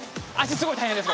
すごい大変です。